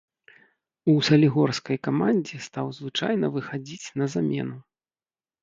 У салігорскай камандзе стаў звычайна выхадзіць на замену.